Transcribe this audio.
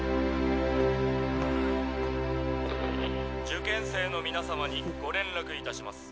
「受験生の皆様にご連絡いたします。